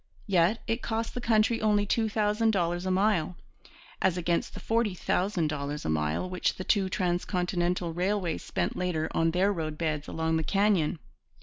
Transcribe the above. Yet it cost the country only two thousand dollars a mile, as against the forty thousand dollars a mile which the two transcontinental railways spent later on their roadbeds along the canyon.